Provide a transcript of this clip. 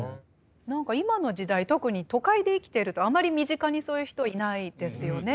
何か今の時代特に都会で生きてるとあまり身近にそういう人いないですよね。